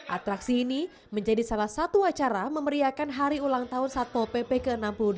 atraksi ini menjadi salah satu acara memeriakan hari ulang tahun satpol pp ke enam puluh delapan